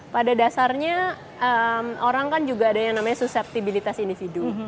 pada dasarnya orang kan juga ada yang namanya suseptibilitas individu